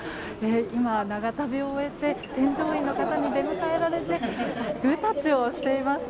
今、長旅を終えて添乗員の方に出迎えられてグータッチをしています。